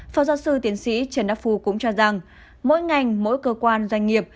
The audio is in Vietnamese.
phó giáo sư tiến sĩ trần đắc phu cũng cho rằng mỗi ngành mỗi cơ quan doanh nghiệp